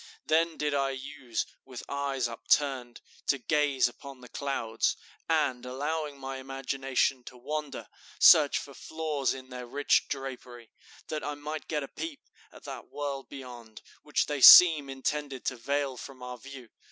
Then did I use, with eyes upturned, to gaze upon the clouds, and, allowing my imagination to wander, search for flaws in their rich drapery, that I might get a peep at that world beyond, which they seem intended to veil from our view.